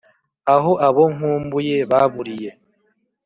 aho abo nkumbuye baburiye